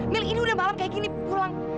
mill ini udah malam kayak gini pulang